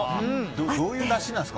どういうだしなんですか？